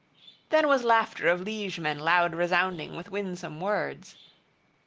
Then was laughter of liegemen loud resounding with winsome words.